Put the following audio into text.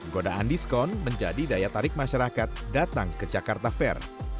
godaan diskon menjadi daya tarik masyarakat datang ke jakarta fair